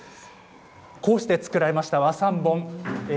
こうして作られました和三盆。